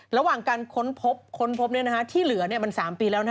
ระหว่างการค้นพบค้นพบเนี่ยนะฮะที่เหลือเนี่ยมัน๓ปีแล้วนะฮะ